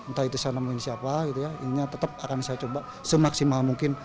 entah itu saya nemuin siapa ininya tetap akan saya coba semaksimal mungkin